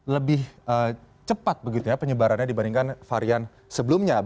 lebih cepat penyebarannya dibandingkan varian sebelumnya